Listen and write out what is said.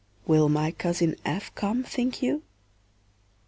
Will my cousin F. come, think you?